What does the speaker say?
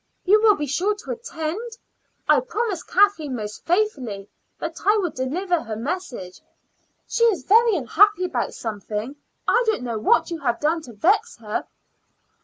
You will be sure to attend? I promised Kathleen most faithfully that I would deliver her message. She is very unhappy about something. I don't know what you have done to vex her."